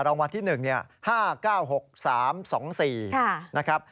รางวัลที่๑๕๙๖๓๒๔นะครับ